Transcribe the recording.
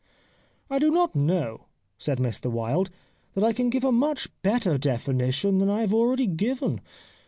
"' I do not know,' said Mr Wilde, ' that I can give a much better definition than I have al ready given.